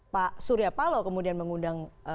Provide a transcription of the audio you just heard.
pak surya palo kemudian mengundang